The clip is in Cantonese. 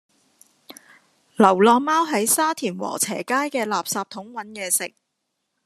流浪貓喺沙田禾輋街嘅垃圾桶搵野食